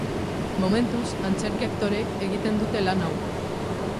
Momentuz, antzerki aktoreek egiten dute lan hau.